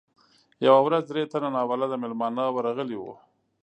یوه ورځ درې تنه ناولده میلمانه ورغلي وو.